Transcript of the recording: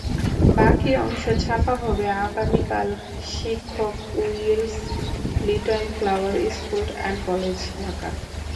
বাকি অংশ ছাপা হবে আগামীকালশিক্ষকউইলস Little Flower School and College, Dhaka